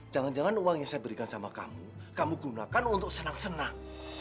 jangan jangan uang yang saya berikan sama kamu kamu gunakan untuk senang senang